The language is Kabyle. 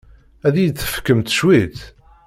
Ad iyi-d-tefkemt cwiṭ?